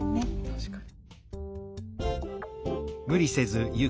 確かに。